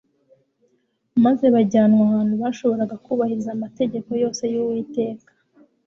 maze bajyanwa ahantu bashoboraga kubahiriza amategeko yose yUwiteka